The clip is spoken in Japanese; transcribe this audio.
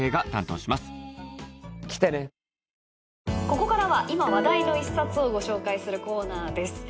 ここからは今話題の一冊をご紹介するコーナーです。